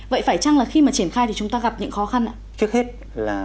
vậy phải chăng khi triển khai thì chúng ta gặp những khó khăn ạ